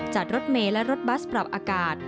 รถเมย์และรถบัสปรับอากาศ